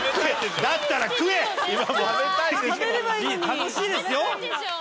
楽しいですよ？